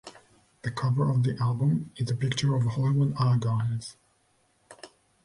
The cover of the album is a picture of The Hollywood Argyles.